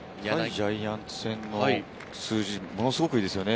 ジャイアンツ戦の数字、ものすごくいいですよね。